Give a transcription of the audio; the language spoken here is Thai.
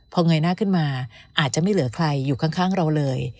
พอเงยหน้าขึ้นมาอาจจะไม่เหลือใครอยู่ข้างเราเลย